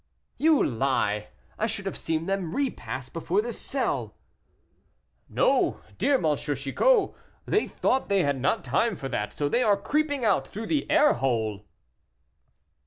"You lie; I should have seen them repass before this cell." "No, dear M. Chicot; they thought they had not time for that, so they are creeping out through the air hole."